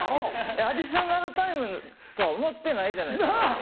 アディショナルタイムとは思ってないじゃないですか。なぁ！